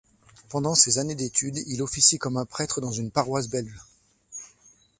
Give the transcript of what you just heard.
Pendant ces années d'étude, il officie comme prêtre dans une paroisse belge.